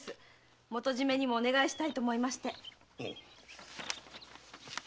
元締にもお願いしたいと思いまして。